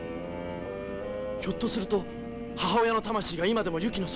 ひょっとすると母親の魂が今でもゆきのそばに。